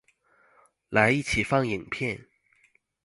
來一起放影片